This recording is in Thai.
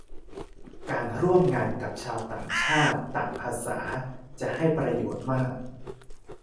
การร่วมงานกับชาวต่างชาติต่างภาษาจะให้ประโยชน์มาก